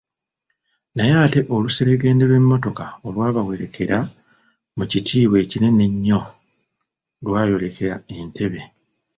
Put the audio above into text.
Naye ate oluseregende lw’emotoka olwabawerekera mu kitiibwa ekinene ennyo lwayolekera Entebbe.